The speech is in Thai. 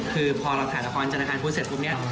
คือพอเราถ่ายละครจรรยาคารพูดเสร็จพรุ่งเนี่ย